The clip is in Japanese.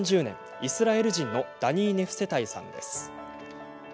イスラエル人のダニー・ネフセタイさんです。